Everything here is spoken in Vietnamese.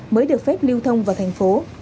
mới được phép lưu thông vào thành phố